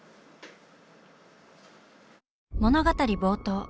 物語冒頭。